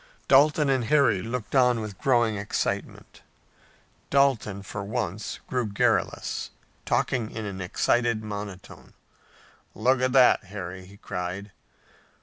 Dalton and Harry looked on with growing excitement. Dalton, for once, grew garrulous, talking in an excited monotone. "Look at that, Harry!" he cried.